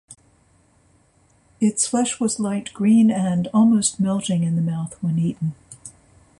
Its flesh was light green, almost melting in the mouth when eaten.